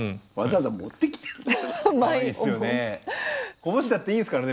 こぼしたっていいんですからね